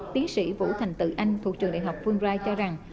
tiến sĩ vũ thành tự anh thuộc trường đại học phương rai cho rằng